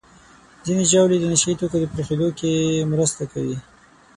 ځینې ژاولې د نشهیي توکو پرېښودو کې مرسته کوي.